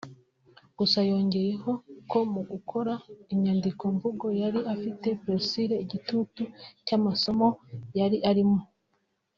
Gusa yongeyeho ko mu gukora inyandiko mvugo yari afite ‘Pressure’ (igitutu) cy’amasomo yari arimo